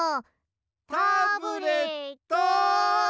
タブレットン！